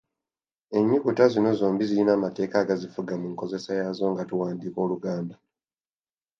Ennyukuta zino zombi zirina amateeka agazifuga mu nkozesa yaazo nga tuwandiika Oluganda.